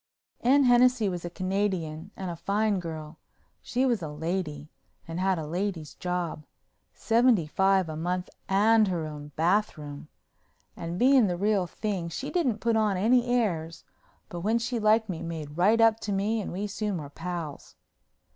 Anne Hennessey was a Canadian and a fine girl. She was a lady and had a lady's job—seventy five a month and her own bathroom—and being the real thing she didn't put on any airs, but when she liked me made right up to me and we soon were pals.